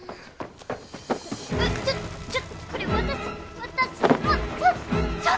えちょっちょっとこれ私私のっ！